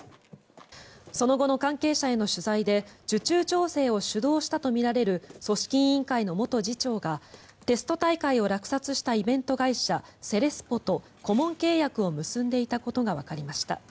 その後の関係者への取材で受注調整を主導したとみられる組織委員会の元次長がテスト大会を落札したイベント会社セレスポと顧問契約を結んでいたことがわかりました。